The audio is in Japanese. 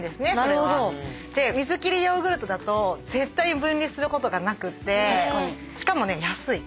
水切りヨーグルトだと絶対分離することがなくてしかも安い。